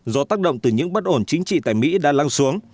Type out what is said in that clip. do tác động từ những bất ổn chính trị tại mỹ đã lăng xuống